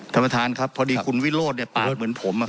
ท่านประธานครับพอดีคุณวิโรธเนี่ยปากเหมือนผมอ่ะครับ